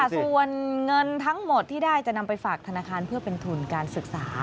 ส่วนเงินทั้งหมดที่ได้จะนำไปฝากธนาคารเพื่อเป็นทุนการศึกษา